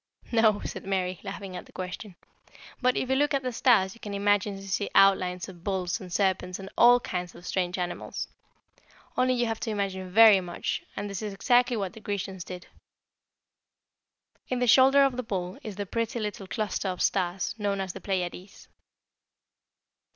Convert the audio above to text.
"No," said Mary, laughing at the question; "but if you look at the stars you can imagine you see outlines of bulls and serpents and all kinds of strange animals. Only you have to imagine very much, and this is exactly what the Grecians did. "In the shoulder of the bull is the pretty little cluster of stars known as the Pleiades."